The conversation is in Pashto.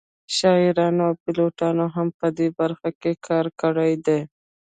شاعرانو او پیلوټانو هم په دې برخه کې کار کړی دی